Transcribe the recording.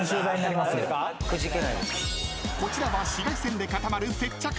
［こちらは紫外線で固まる接着剤］